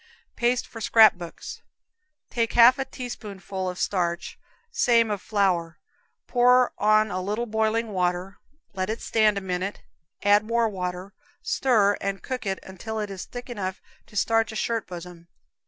Paste for Scrap Books. Take half a teaspoonful of starch, same of flour, pour on a little boiling water, let it stand a minute, add more water, stir and cook it until it is thick enough to starch a shirt bosom.